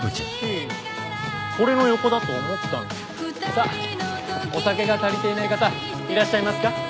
さあお酒が足りていない方いらっしゃいますか？